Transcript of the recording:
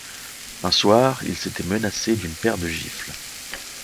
Un soir, ils s’étaient menacés d’une paire de gifles.